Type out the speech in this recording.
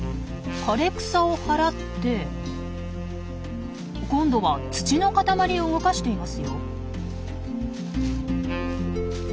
枯れ草を払って今度は土の塊を動かしていますよ。